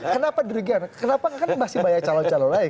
kenapa demikian kenapa kan masih banyak calon calon lain